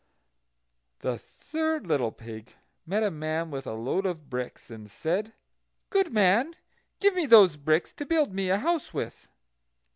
The third little pig met a man with a load of bricks, and said: "Good man, give me those bricks to build me a house with."